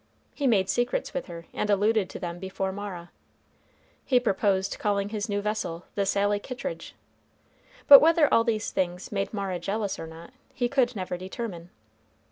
He made secrets with her, and alluded to them before Mara. He proposed calling his new vessel the Sally Kittridge; but whether all these things made Mara jealous or not, he could never determine.